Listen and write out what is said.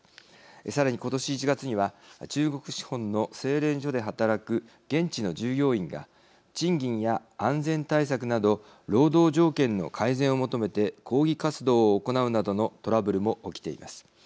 さらに、今年１月には中国資本の精錬所で働く現地の従業員が賃金や安全対策など労働条件の改善を求めて抗議活動を行うなどのトラブルも起きています。